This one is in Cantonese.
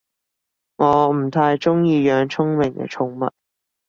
我唔太鍾意養聰明嘅寵物